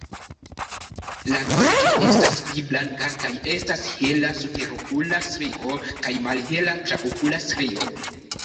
La gorĝo estas pli blanka kaj estas hela superokula strio kaj malhela traokula strio.